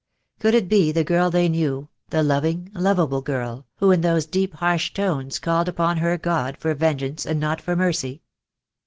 Could it be the girl they knew, the loving, lovable girl, who, in those deep, harsh tones, called upon her God for venge ance and not for mercy?